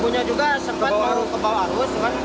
ibunya juga sempat mau ke bawah arus